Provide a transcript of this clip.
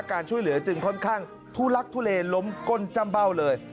การช่วยเหลือจึงค่อนข้างทุลักทุเลล้มก้นจ้ำเบ้าเลย